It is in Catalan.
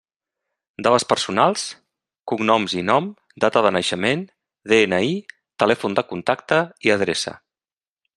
Dades personals: cognoms i nom, data de naixement, DNI, telèfon de contacte i adreça.